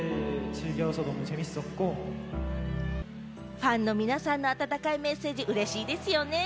ファンの皆さんの温かいメッセージ、嬉しいですよね。